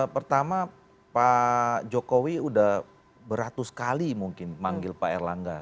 pertama pak jokowi sudah beratus kali mungkin manggil pak erlangga